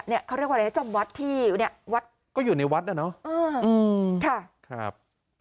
เขาเรียกว่าอะไรนะจำวัดที่เนี่ยวัดก็อยู่ในวัดน่ะเนอะค่ะครับ